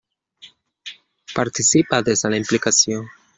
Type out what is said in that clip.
Participa des de la implicació.